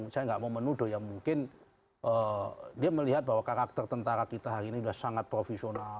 saya nggak mau menuduh ya mungkin dia melihat bahwa karakter tentara kita hari ini sudah sangat profesional